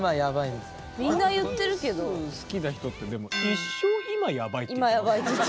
好きな人ってでも今ヤバいって言ってる。